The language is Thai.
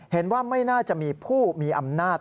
เห็นว่าไม่น่าจะมีผู้มีอำนาจ